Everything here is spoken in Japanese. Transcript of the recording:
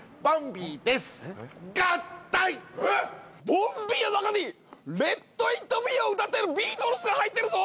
ボンビーの中に『レット・イット・ビー』を歌ってるビートルズが入ってるぞ。